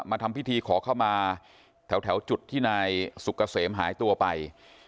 ทำพิธีขอเข้ามาแถวจุดที่นายสุกเกษมหายตัวไป